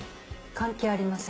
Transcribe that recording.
関係ありません。